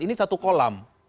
ini satu kolam